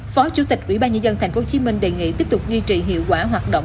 phó chủ tịch ủy ban nhân dân tp hcm đề nghị tiếp tục duy trì hiệu quả hoạt động